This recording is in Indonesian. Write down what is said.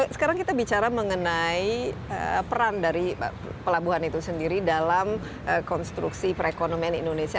sekarang kita bicara mengenai peran dari pelabuhan itu sendiri dalam konstruksi perekonomian indonesia